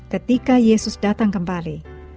ketika yesus datang kembali